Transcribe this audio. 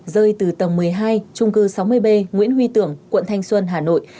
rơi từ tầng một mươi hai trung cư sáu mươi b nguyễn huy tưởng quận thanh xuân hà nội